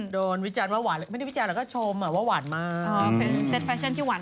ดูบิทยานมาว่าหวานไม่ได้บิทยานหรอทำไมไม่ได้ก็ก็ชม